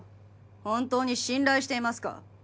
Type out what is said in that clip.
本当に信頼していますか？